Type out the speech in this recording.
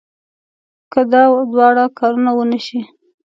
که دا دواړه کارونه ونه شي.